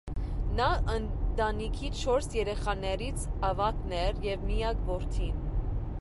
Նա ընտանիքի չորս երեխաներից ավագն էր և միակ որդին։